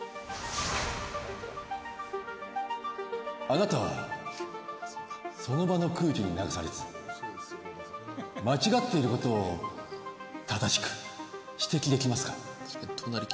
あなたはその場の空気に流されず間違っていることを正しく指摘できますか？